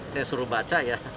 saya suruh baca ya